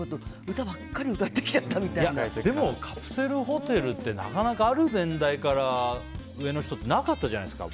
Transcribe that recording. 歌ばっかりでもカプセルホテルってなかなか、ある年代から上の人ってなかったじゃないですか。